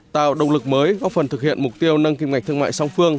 tạo động lực mới góp phần thực hiện mục tiêu nâng kim ngạch thương mại song phương